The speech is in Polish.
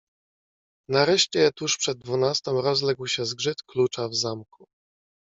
"Nareszcie, tuż przed dwunastą rozległ się zgrzyt klucza w zamku."